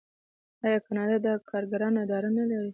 آیا کاناډا د کارګرانو اداره نلري؟